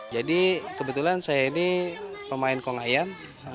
jadi kebetulan saya ini pemain konghayan